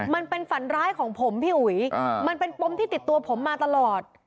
มันเป็นฝันร้ายของผมพี่อุ๋ยมันเป็นปมที่ติดตัวผมมาตลอด